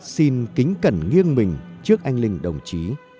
xin kính cẩn nghiêng mình trước anh linh đồng chí